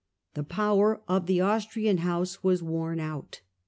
The power of the Austrian house was worn out.